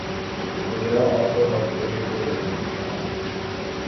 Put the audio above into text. The rail also helped bring tourism to the town.